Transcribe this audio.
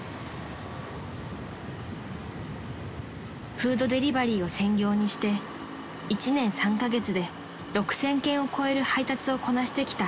［フードデリバリーを専業にして１年３カ月で６，０００件を超える配達をこなしてきた］